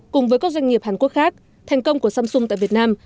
cùng với các doanh nghiệp hàn quốc khác thành công của samsung tại việt nam